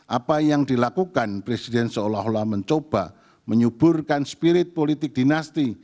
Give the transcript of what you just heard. apa yang dilakukan presiden seolah olah mencoba menyuburkan spirit politik dinasti